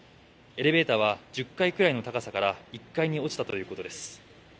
エレベーターは１０階くらいの高さから１階に落ちたということです。